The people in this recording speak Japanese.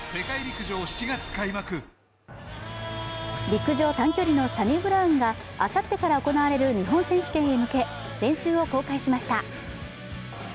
陸上短距離のサニブラウンがあさってから行われる日本選手権へ向け、練習を公開しました。